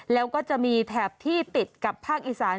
แล้วก็จะมีแถบที่ติดกับภาคอีสาน